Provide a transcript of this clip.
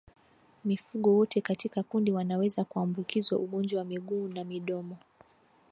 Mifugo wote katika kundi wanaweza kuambukizwa ugonjwa wa miguu na midomo